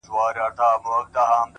د سيند پر غاړه! سندريزه اروا وچړپېدل!